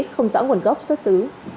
không rõ nguồn gốc xuất xứ